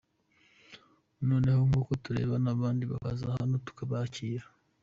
Noneho nk’uko turebana, abandi bakaza hano tukabakira.